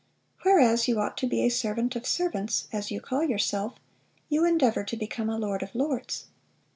Whereas you ought to be a servant of servants, as you call yourself, you endeavor to become a lord of lords....